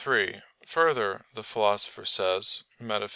3: Further, the Philosopher says, _Metaph.